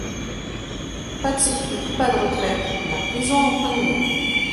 Pas de sécu, pas de retraite, la prison en point de mire.